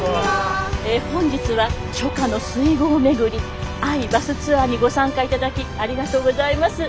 本日は初夏の水郷めぐり愛バスツアーにご参加いただきありがとうございます。